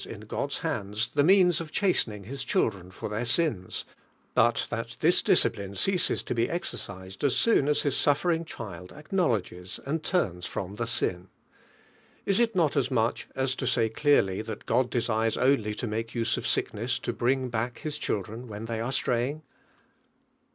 in God's hands, the means of chastening His children for their sins, 152 DIVINE flTEAr.mi. bat that tliis discipline cpasea to he ex ercised aa soon aa Hia suffering child ac knowledges and turns from the ain. Is it not as much as to say clearly that God desires only to make use of sickness to bring back His children when they are straying?